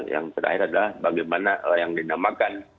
yang terakhir adalah bagaimana yang dinamakan